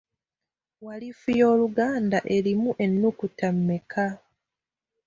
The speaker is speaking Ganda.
Walifu y'oluganda erimu enukuta mmeka?